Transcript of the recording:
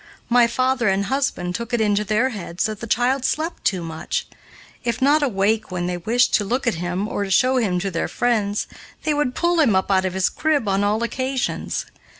My father and husband took it into their heads that the child slept too much. If not awake when they wished to look at him or to show him to their friends, they would pull him out of his crib on all occasions.